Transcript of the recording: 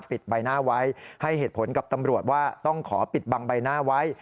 ปิดใบหน้าไว้ให้เหตุผลกับตำรวจว่าต้องขอปิดบังใบหน้าไว้